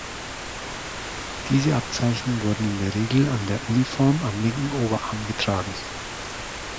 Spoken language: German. Diese Abzeichen wurden in der Regel an der Uniform am linken Oberarm getragen.